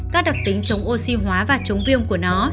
các đặc tính chống oxy hóa và chống viêm của nó